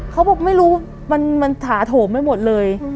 เขาบอกไม่รู้มันถาโถมไปหมดเลย